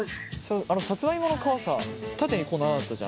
さつまいもの皮さ縦にこう長かったじゃん。